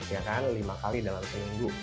ya kan lima kali dalam seminggu